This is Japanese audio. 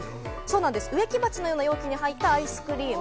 植木鉢のような容器に入ったアイスクリーム。